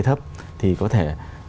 thấp thì có thể